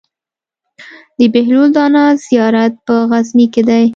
د بهلول دانا زيارت په غزنی کی دی